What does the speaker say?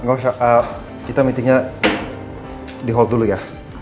nggak usah kita meetingnya di hall dulu ya